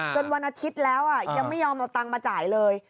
วันอาทิตย์แล้วยังไม่ยอมเอาตังค์มาจ่ายเลย